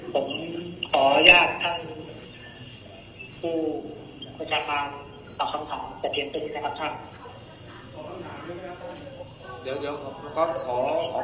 ผมขออนุญาตท่านผู้ประชาการตอบคำถามแต่เพียงตัวนี้นะครับท่าน